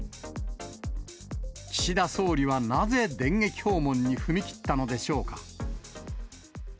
岸田総理はなぜ電撃訪問に踏み切ったのでしょうか。